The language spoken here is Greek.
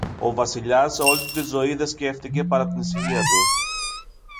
Ο Βασιλιάς όλη του τη ζωή δε σκέφθηκε παρά την ησυχία του.